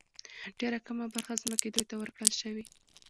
ډېره کمه برخه ځمکې دوی ته ورکړل شوې.